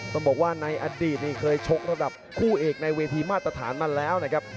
ต้องบอกว่าในอดีตนี่เคยชกระดับคู่เอกในเวทีมาตรฐานมาแล้วนะครับ